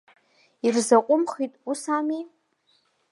Ирзаҟәымхит, ус ами?